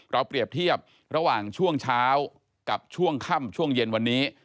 เปรียบเทียบระหว่างช่วงเช้ากับช่วงค่ำช่วงเย็นวันนี้